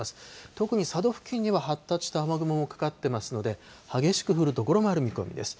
特に佐渡付近には発達した雨雲かかってますので、激しく降る所もある見込みです。